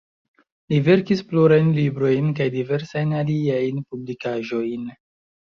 Li verkis plurajn librojn kaj diversajn aliajn publikaĵojn.